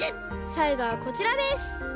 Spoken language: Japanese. さいごはこちらです！